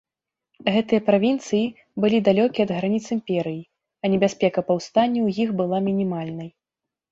Гэтыя правінцыі былі далёкія ад граніц імперыі, а небяспека паўстання ў іх была мінімальнай.